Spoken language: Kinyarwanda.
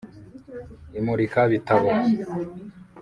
imurikabitabo